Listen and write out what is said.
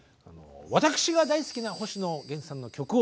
私が大好きな星野源さんの曲を。